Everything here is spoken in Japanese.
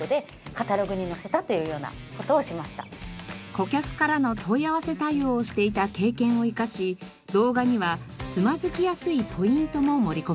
顧客からの問い合わせ対応をしていた経験を生かし動画にはつまずきやすいポイントも盛り込みました。